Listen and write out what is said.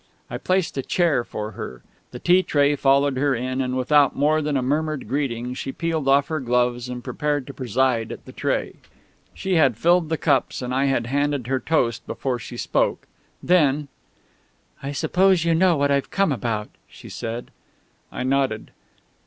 I placed a chair for her; the tea tray followed her in; and without more than a murmured greeting she peeled off her gloves and prepared to preside at the tray. She had filled the cups, and I had handed her toast, before she spoke. Then: "I suppose you know what I've come about," she said. I nodded.